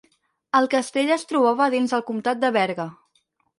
El castell es trobava dins el comtat de Berga.